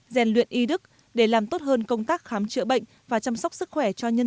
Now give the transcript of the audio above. rèn luyện y đức để làm tốt hơn công tác khám chữa bệnh và chăm sóc sức khỏe cho nhân